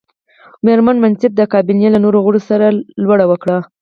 مېرمن منصف د کابینې له نورو غړو سره لوړه وکړه.